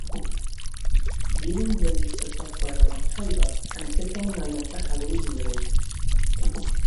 Ewing released the software in October, and it became known as the Halloween release.